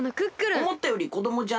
おもったよりこどもじゃのう。